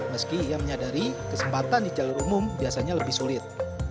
meski ia menyadari kesempatan di jalur umum biasanya lebih sulit